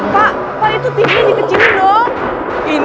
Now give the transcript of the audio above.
pak pak itu tv dikecilin dong